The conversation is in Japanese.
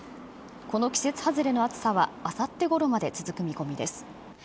この季節外れの暑さは、あさってごろまで続く見込みです。